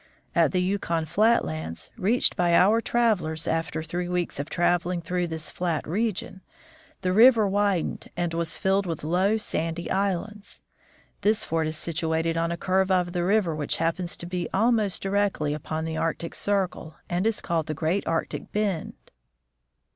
At the Yukon flat lands, reached by our travelers after three weeks of traveling through this flat region, the river widened and was filled with low, sandy islands. The fort is situated on a curve of the river which happens to be almost directly upon the Arctic circle, and is called the Great Arctic bend.